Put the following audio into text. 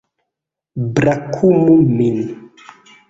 Brakumu min.